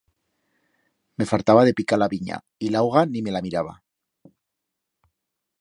Me fartaba de picar la vinya y la uga ni me la miraba.